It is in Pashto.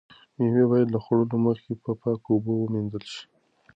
مېوې باید له خوړلو مخکې په پاکو اوبو ومینځل شي.